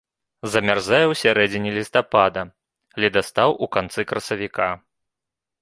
Замярзае ў сярэдзіне лістапада, ледастаў у канцы красавіка.